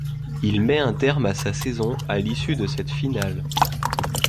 Il met un terme à sa saison à l'issue de cette finale.